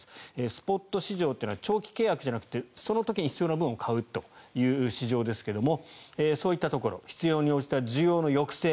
スポット市場というのは長期契約じゃなくてその時に必要な分を買うという市場ですがそういったところ必要に応じた需要の抑制